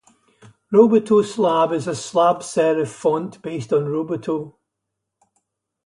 Roboto Slab is a slab serif font based on Roboto.